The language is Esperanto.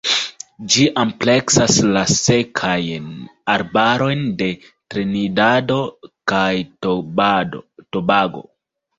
Ĝi ampleksas la Sekajn arbarojn de Trinidado kaj Tobago.